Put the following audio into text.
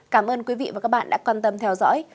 cảm ơn quý vị và các bạn đã quan tâm theo dõi